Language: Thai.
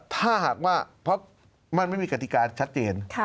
ถ้าหากว่าเพราะมันไม่มีกฎิกาชัดเจน